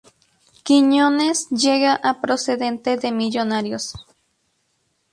Quiñones llega procedente de Millonarios.